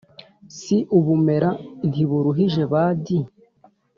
si ubumera ntiburuhijebadi